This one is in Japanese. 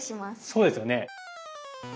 そうですよね。